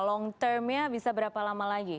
long term nya bisa berapa lama lagi